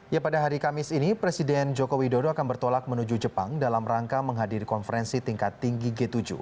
ya pada hari kamis ini presiden joko widodo akan bertolak menuju jepang dalam rangka menghadiri konferensi tingkat tinggi g tujuh